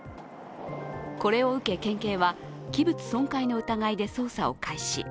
これを受け県警は器物損壊の疑いで捜査を開始。